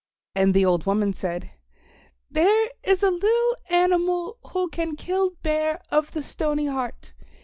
And the old woman said, "There is a little animal who can kill Bear of the Stony Heart.